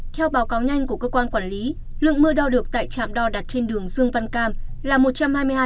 theo báo cáo nhanh của cơ quan quản lý lượng mưa đo được tại trạm đo đặt trên đường dương văn cam